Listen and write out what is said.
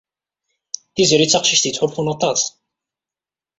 Tiziri d taqcict yettḥulfun aṭas.